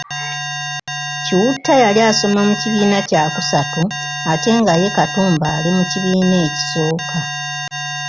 Kiwutta yali asoma mu kIbiina kya kusatu ate nga ye Katumba ali mu kibiina ekisooka.